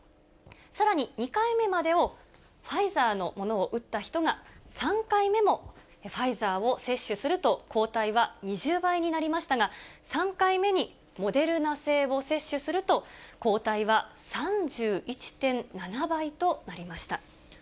さらに２回目までをファイザーのものを打った人が３回目もファイザーを接種すると、抗体は２０倍になりましたが、３回目にモデルナ製を接種すると、抗体は３１．７倍となりました。